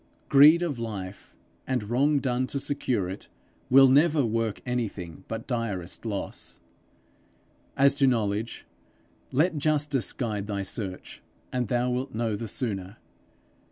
Greed of life and wrong done to secure it, will never work anything but direst loss. As to knowledge, let justice guide thy search and thou wilt know the sooner.